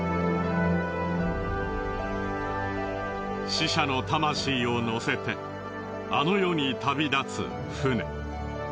死者の魂を乗せてあの世に旅立つ船。